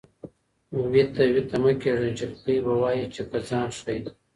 وېته وېته مه کېږه جلکۍ به وایې چې که ځان ښایې.